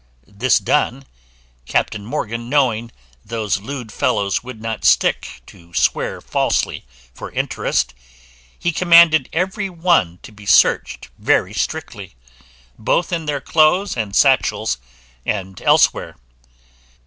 This done, Captain Morgan knowing those lewd fellows would not stick to swear falsely for interest, he commanded every one to be searched very strictly, both in their clothes and satchels, and elsewhere.